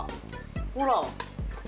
ほら！